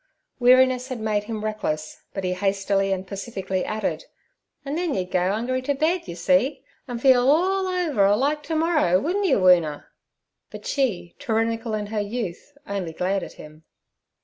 Weariness had made him reckless, but he hastily and pacifically added: 'An' then you'd go 'ungry t' bed, yer see, an' feel orl over alike t'morrer, wouldn't yer, Woona?' But she, tyrannical in her youth, only glared at him.